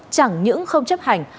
chẳng những không chấp hành